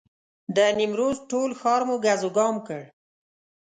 د نیمروز ټول ښار مو ګز وګام کړ.